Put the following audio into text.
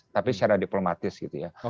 tapi secara diplomatis gitu ya